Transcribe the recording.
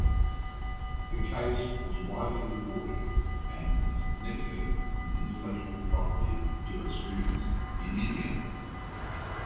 The case was widely reported and is significant in intellectual property jurisprudence in India.